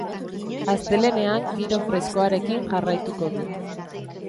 Astelehenean giro freskoarekin jarraituko du.